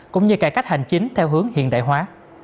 cũng như cải cách hành chính theo hướng hiện đại hóa